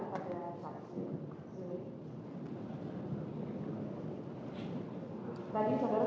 tadi saudara sudah membenarkan ya